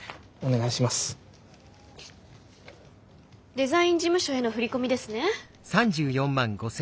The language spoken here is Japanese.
デザイン事務所への振り込みですね。